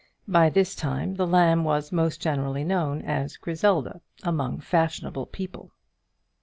By this time the Lamb was most generally known as "Griselda" among fashionable people.